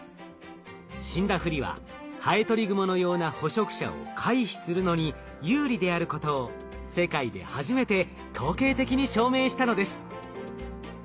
死んだふりはハエトリグモのような捕食者を回避するのに有利であることを世界で初めて統計的に証明したのです。